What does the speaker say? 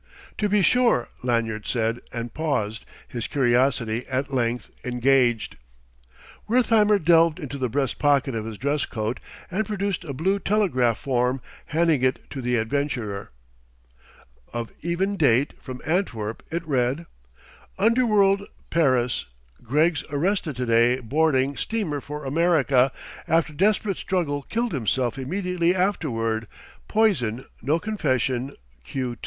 "To be sure," Lanyard said, and paused, his curiosity at length engaged. Wertheimer delved into the breast pocket of his dress coat and produced a blue telegraph form, handing it to the adventurer. Of even date, from Antwerp, it read: "_Underworld Paris Greggs arrested today boarding steamer for America after desperate struggle killed himself immediately afterward poison no confession Q 2.